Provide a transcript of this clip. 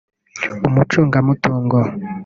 umucungamutungo